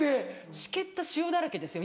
しけった塩だらけですよ